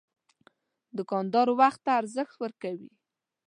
دوکاندار وخت ته ارزښت ورکوي.